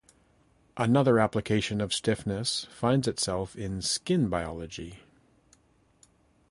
Another application of stiffness finds itself in skin biology.